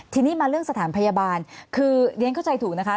ทีนี้มาเรื่องสถานพยาบาลคือเรียนเข้าใจถูกนะคะ